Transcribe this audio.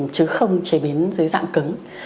chứ không chế biến dưới dạng cứng